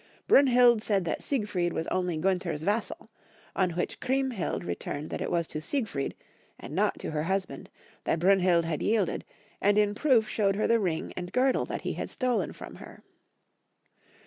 BrunhUd said that Siegfried was only Gunther's vassal ; on which Chriemhild returned that it was to Siegfried, and not to her husband, that Brunhild had yielded, and in proof showed her the ring and girdle that he had stolen from her.